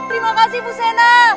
terima kasih pusena